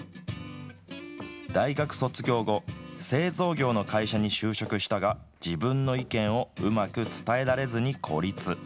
大学卒業後、製造業の会社に就職したが、自分の意見をうまく伝えられずに孤立。